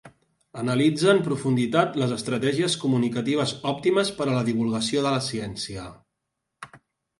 Analitze en profunditat les estratègies comunicatives òptimes per a la divulgació de la ciència.